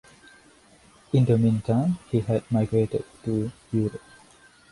In the meantime, he had migrated to Europe.